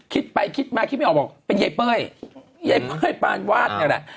คิดไปคิดมาคิดไม่ออกบอกเป็นยายเป้ยยายเป้ยปานวาดนี่แหละ